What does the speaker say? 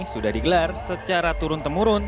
sudah digelar secara turun temurun